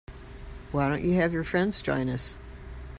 Why don't you have your friends join us?